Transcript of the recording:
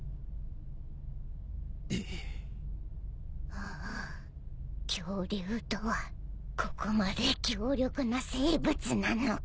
おお恐竜とはここまで強力な生物なのか！？